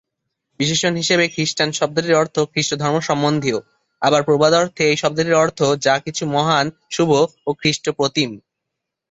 বিশেষণ হিসেবে "খ্রিষ্টান" শব্দটির অর্থ "খ্রিষ্টধর্ম সম্বন্ধীয়"; আবার প্রবাদ অর্থে এই শব্দটির অর্থ "যা কিছু মহান, শুভ ও খ্রিষ্ট-প্রতিম"।